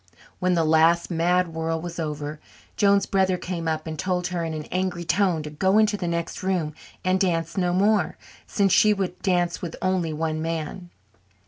When the last mad whirl was over, Joan's brother came up and told her in an angry tone to go into the next room and dance no more, since she would dance with only one man.